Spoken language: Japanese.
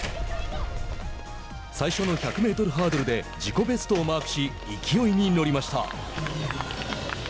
最初の１００メートルハードルで自己ベストをマークし勢いに乗りました。